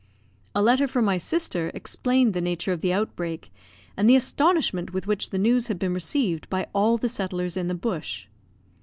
A letter from my sister explained the nature of the outbreak, and the astonishment with which the news had been received by all the settlers in the bush.